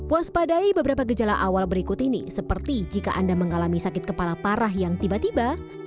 waspadai beberapa gejala awal berikut ini seperti jika anda mengalami sakit kepala parah yang tiba tiba